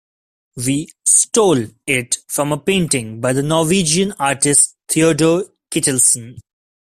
We 'stole' it from a painting by the Norwegian artist Theodor Kittelsen.